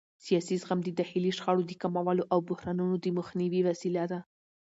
سیاسي زغم د داخلي شخړو د کمولو او بحرانونو د مخنیوي وسیله ده